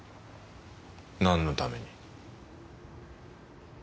何のために？